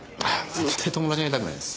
絶対友達に会いたくないです。